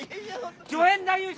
助演男優賞！